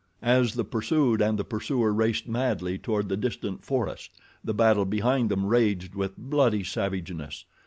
As the pursued and the pursuer raced madly toward the distant forest the battle behind them raged with bloody savageness.